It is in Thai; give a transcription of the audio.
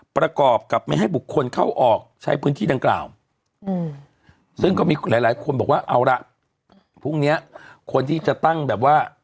พรุ่งเนี้ยคนที่จะตั้งแบบว่า